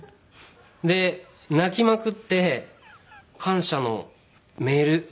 で泣きまくって感謝のメール